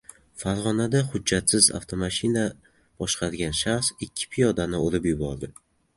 Farg‘onada hujjatsiz avtomashina boshqargan shaxs ikki piyodani urib yubordi